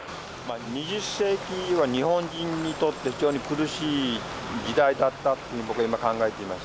２０世紀は日本人にとって非常に苦しい時代だったというふうに僕は今考えています。